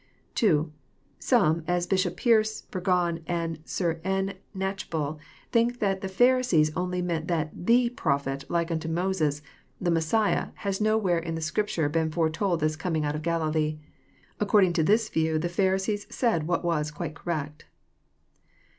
(2) Some, as Bishop Pearce, Burgon, and Sir N. Knatchbull, think that the Pharisees only meant that THE Prophet like nnto Moses, the Messiah, has nowhere in the Scripture been foretold as coming out of Galilee." According to this view the Pharisees said what was quite correct.